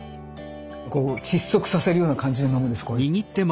こう窒息させるような感じで飲むんですこうやって。